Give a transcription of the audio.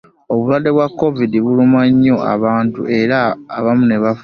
Obulwadde bwa covid buluma nnyo abantu era abamu bafa.